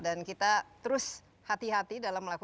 dan kita terus hati hati dalam perkembangan